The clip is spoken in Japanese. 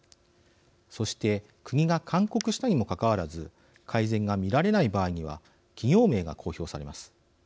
そして国が勧告したにもかかわらず改善が見られない場合には企業名が公表されます。